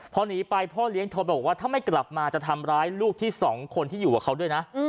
พอหนีไปพ่อเลี้ยงโทรไปบอกว่าถ้าไม่กลับมาจะทำร้ายลูกที่๒คนที่อยู่กับเขาด้วยนะ